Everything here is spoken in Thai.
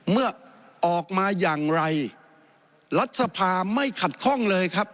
เมื่อออกมาอย่างไรรัฐสภาไม่ขัดข้องเลยครับ